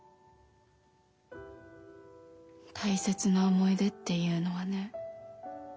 大切な思い出っていうのはね